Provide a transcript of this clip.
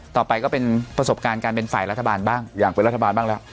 ต่อไปก็เป็นประสบการณ์การเป็นฝ่ายรัฐบาลบ้างอยากเป็นรัฐบาลบ้างแล้ว